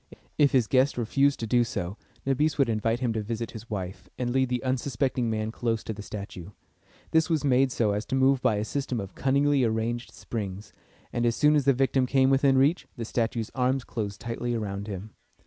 If his guest refused to do so, Nabis would invite him to visit his wife, and lead the unsuspecting man close to the statue. This was made so as to move by a system of cunningly arranged springs, and as soon as the victim came within reach, the statue's arms closed tightly around him.